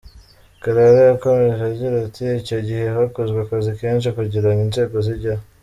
Karara yakomeje agira ati « Icyo gihe hakozwe akazi kenshi kugira ngo inzego zijyeho.